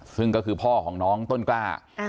ซึ่งก็คือพ่อของน้องต้นกล้า